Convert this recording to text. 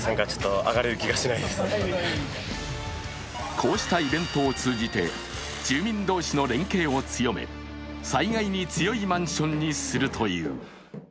こうしたイベントを通じて住民通しの連携を強め災害に強いマンションにするという。